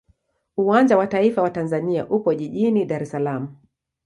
Uwanja wa taifa wa Tanzania upo jijini Dar es Salaam.